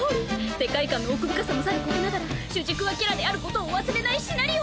世界観の奥深さもさることながら主軸はキャラであることを忘れないシナリオ！